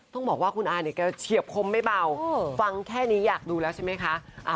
ต้องบอกว่าคุณอาเนี่ยแกเฉียบคมไม่เบาฟังแค่นี้อยากดูแล้วใช่ไหมคะ